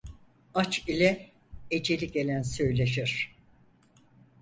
Aç ile eceli gelen söyleşir.